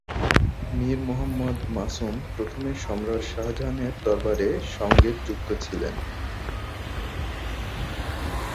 মীর মুহাম্মদ মাসুম প্রথমে সম্রাট শাহজাহানের দরবারের সঙ্গে যুক্ত ছিলেন।